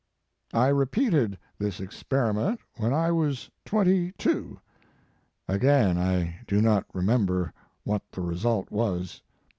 I repeated this experiment when I was twenty two; again I do not remember what the result was.